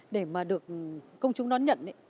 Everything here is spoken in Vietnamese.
để mà được công chúng đón nhận